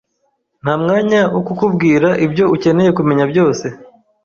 Nta mwanya wo kukubwira ibyo ukeneye kumenya byose.